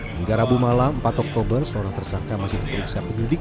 hingga rabu malam empat oktober seorang tersangka masih diperiksa penyidik